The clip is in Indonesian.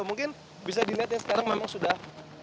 mungkin bisa dilihat ya sekarang memang sudah